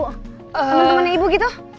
temen temennya ibu gitu